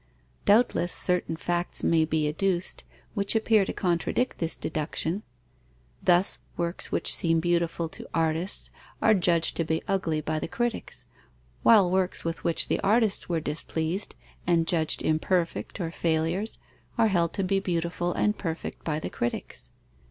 Doubtless certain facts may be adduced, which appear to contradict this deduction. Thus works which seem beautiful to artists, are judged to be ugly by the critics; while works with which the artists were displeased and judged imperfect or failures, are held to be beautiful and perfect by the critics.